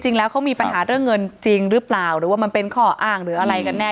จริงแล้วเขามีปัญหาเรื่องเงินจริงหรือเปล่าหรือว่ามันเป็นข้ออ้างหรืออะไรกันแน่